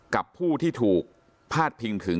กับผู้ที่ถูกพาดพิงถึง